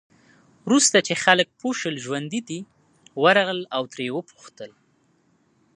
وروسته چې خلک پوه شول ژوندي دی، ورغلل او ترې یې وپوښتل.